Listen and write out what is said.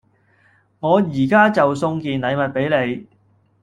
我依家就送件禮物畀你